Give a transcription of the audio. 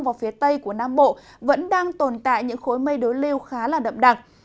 và phía tây của nam bộ vẫn đang tồn tại những khối mây đối lưu khá là đậm đặc